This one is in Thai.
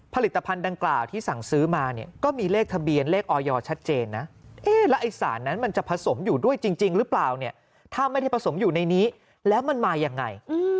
ผลิตภัณฑ์ดังกล่าวที่สั่งซื้อมาเนี่ยก็มีเลขทะเบียนเลขออยชัดเจนนะเอ๊ะแล้วไอ้สารนั้นมันจะผสมอยู่ด้วยจริงหรือเปล่าเนี่ยถ้าไม่ได้ผสมอยู่ในนี้แล้วมันมายังไง